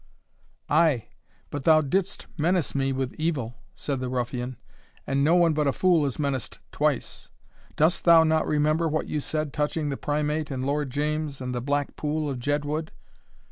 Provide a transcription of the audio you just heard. "Ay! but thou didst menace me with evil," said the ruffian, "and no one but a fool is menaced twice. Dost thou not remember what you said touching the Primate and Lord James, and the black pool of Jedwood?